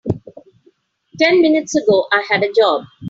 Ten minutes ago I had a job.